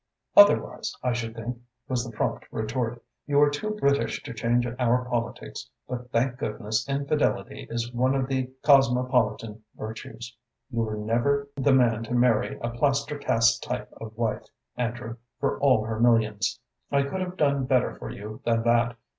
"Otherwise, I should think," was the prompt retort. "You are too British to change our politics, but thank goodness infidelity is one of the cosmopolitan virtues. You were never the man to marry a plaster cast type of wife, Andrew, for all her millions. I could have done better for you than that.